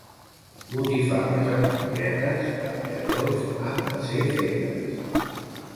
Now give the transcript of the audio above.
Botifarres amb mongetes, amb llardons han de ser fetes.